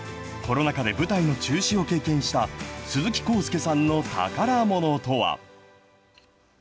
コロナ禍で舞台の中止を経験した鈴木浩介さんの宝ものとは。